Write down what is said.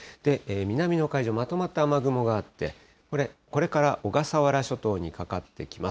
南の海上、まとまった雨雲があって、これ、これから小笠原諸島にかかってきます。